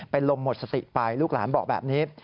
เป็นลมหมดสติไปลูกหลานบอกแบบนี้